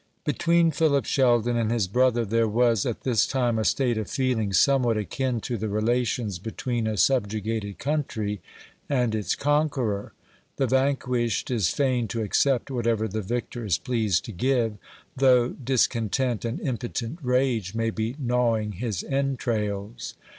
Between Philip Sheldon and his brother there was at this time a state of feeling somewhat akin to the relations between a subjugated country and its conqueror. The vanquished is fain to accept whatever the victor is pleased to give, though discontent and impotent rage may be gnawing his entrails.